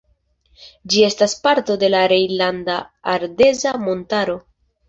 Ĝi estas parto de la Rejnlanda Ardeza Montaro.